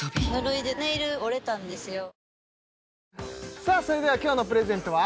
さあそれでは今日のプレゼントは？